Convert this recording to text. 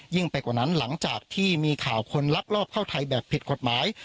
ไปกว่านั้นหลังจากที่มีข่าวคนลักลอบเข้าไทยแบบผิดกฎหมาย